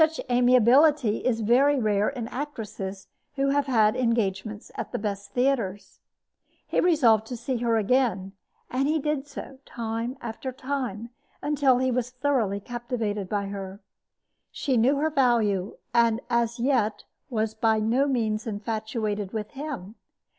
Such amiability is very rare in actresses who have had engagements at the best theaters. He resolved to see her again; and he did so, time after time, until he was thoroughly captivated by her. She knew her value, and as yet was by no means infatuated with him.